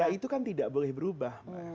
ya itu kan tidak boleh berubah